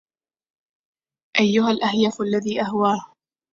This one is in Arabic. أيها الاهيف الذي أهواه